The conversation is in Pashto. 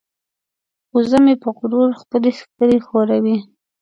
وزه مې په غرور خپلې ښکرې ښوروي.